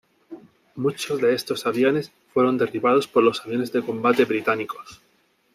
Muchos de estos aviones fueron derribados por los aviones de combate británicos.